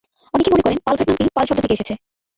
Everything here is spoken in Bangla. অনেকে মনে করেন পালঘাট নামটি 'পাল' শব্দটি থেকে এসেছে।